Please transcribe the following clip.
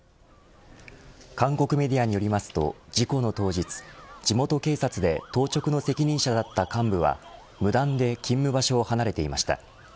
韓国メディアによりますと事故の当日地元警察で当直の責任者だった幹部は無断で勤務場所を離れていました。